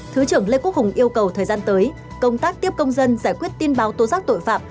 thứ trưởng lê quốc hùng yêu cầu thời gian tới công tác tiếp công dân giải quyết tin báo tố giác tội phạm